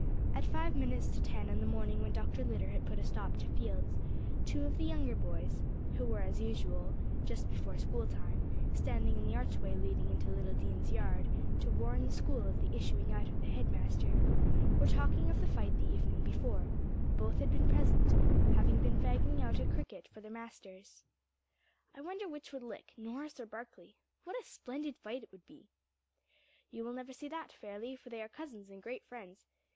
At five minutes to ten on the morning when Dr. Litter had put a stop to fields, two of the younger boys who were as usual, just before school time, standing in the archway leading into Little Dean's Yard to warn the School of the issuing out of the head master were talking of the fight of the evening before; both had been present, having been fagging out at cricket for their masters. "I wonder which would lick, Norris or Barkley. What a splendid fight it would be!" "You will never see that, Fairlie, for they are cousins and great friends.